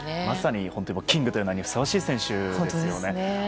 まさにキングという名にふさわしい選手ですよね。